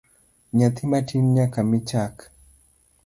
Nyathi matin nyaka mii chak